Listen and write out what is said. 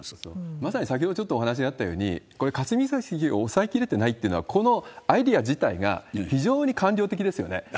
まさに先ほどちょっとお話があったように、これ、霞が関を抑えきれてないっていうのは、このアイデア自体が非常に官僚的ですよね。